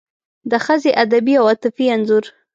د ښځې ادبي او عاطفي انځور